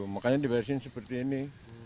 makanya dibersihkan seperti ini